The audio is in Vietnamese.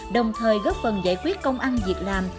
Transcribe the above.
đồng thời góp phần giải quyết công ăn việc làm